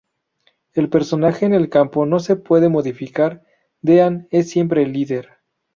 El personaje en el campo no se puede modificar; Dean es siempre el líder.